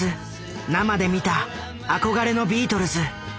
生で見た憧れのビートルズ。